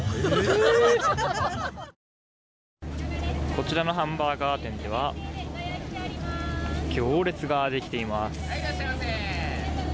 こちらのハンバーガー店では行列ができています。